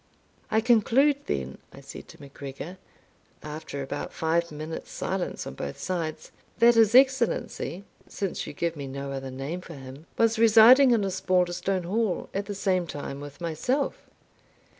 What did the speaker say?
"I conclude, then," I said to MacGregor, after about five minutes' silence on both sides, "that his Excellency, since you give me no other name for him, was residing in Osbaldistone Hall at the same time with myself?"